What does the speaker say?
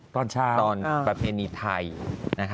ตอนประเพณีไทย